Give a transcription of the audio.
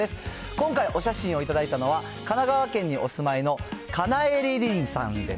今回、お写真を頂いたのは、神奈川県にお住いの、かなえりりんさんです。